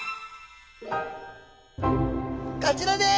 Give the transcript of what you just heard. こちらです！